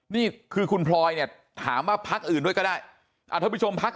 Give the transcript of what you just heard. นี่คือคุณพลอยเนี่ยถามว่าพักอื่นด้วยก็ได้ท่านผู้ชมพัก